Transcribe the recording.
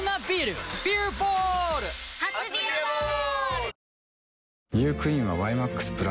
初「ビアボール」！